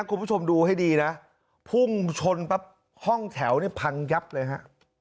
คุณผู้ชมดูให้ดีนะพุ่งชนปั๊บห้องแถวเนี่ยพังยับเลยฮะ